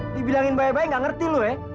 dibilangin baik baik nggak ngerti lu ya